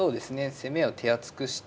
攻めを手厚くして。